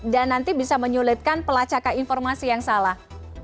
dan nanti bisa menyulitkan pelacakan informasi yang salah